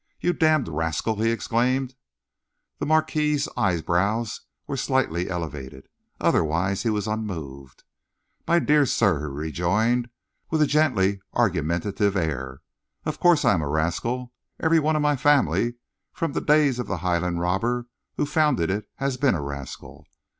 "You damned rascal!" he exclaimed. The Marquis's eyebrows were slightly elevated. Otherwise he was unmoved. "My dear sir," he rejoined, with a gently argumentative air, "of course I am a rascal. Every one of my family, from the days of the Highland robber who founded it, has been a rascal.